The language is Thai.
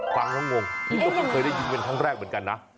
ฟังแล้วงงที่นี่ผมเคยได้ยินเวลเท่าแรกเหมือนกันนะ